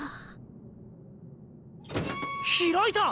開いた！